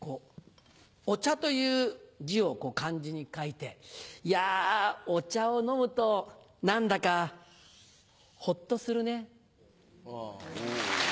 「お茶」という字を漢字に書いていやお茶を飲むと何だかホッとするね。